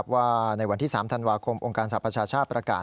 ว่าในวันที่๓ธันวาคมองค์การสรรพชาชาติประกาศ